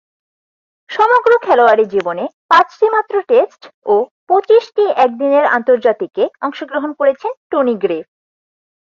সমগ্র খেলোয়াড়ী জীবনে পাঁচটিমাত্র টেস্ট ও পঁচিশটি একদিনের আন্তর্জাতিকে অংশগ্রহণ করেছেন টনি গ্রে।